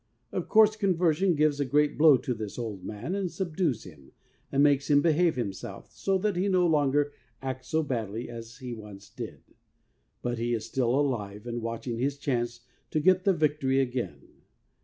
Of course, conversion gives a great blow to this 'old man,' and subdues him, and makes him behave himself, so that he no longer acts so badly as he once did ; but he is still alive, and watching his chance to get the victory again.